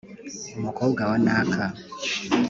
Umukobwa wa Naka